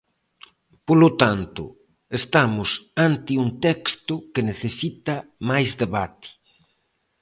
Polo tanto, estamos ante un texto que necesita máis debate.